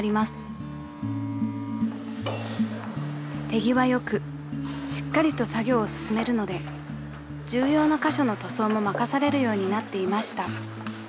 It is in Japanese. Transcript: ［手際良くしっかりと作業を進めるので重要な箇所の塗装も任されるようになっていました］